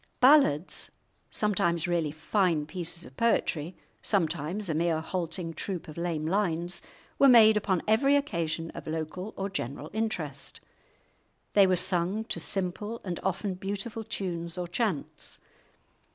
Ballads, sometimes really fine pieces of poetry, sometimes a mere halting troop of lame lines, were made upon every occasion of local or general interest. They were sung to simple and often beautiful tunes or chants.